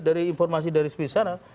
dari informasi dari speech sana